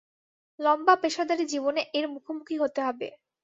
লম্বা পেশাদারী জীবনে, এর মুখোমুখি হতে হবে।